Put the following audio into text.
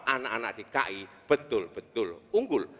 anak anak di ki betul betul unggul